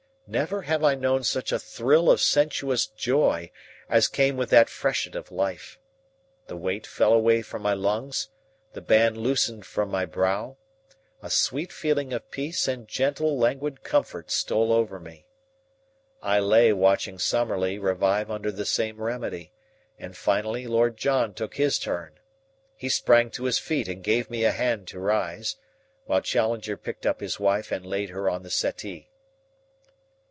Never have I known such a thrill of sensuous joy as came with that freshet of life. The weight fell away from my lungs, the band loosened from my brow, a sweet feeling of peace and gentle, languid comfort stole over me. I lay watching Summerlee revive under the same remedy, and finally Lord John took his turn. He sprang to his feet and gave me a hand to rise, while Challenger picked up his wife and laid her on the settee.